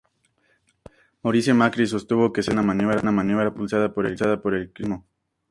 Mauricio Macri sostuvo que se trataba de una maniobra política impulsada por el kirchnerismo.